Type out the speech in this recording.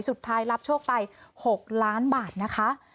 สุดท้ายรับโชคไป๖ล้านบาทนะคะ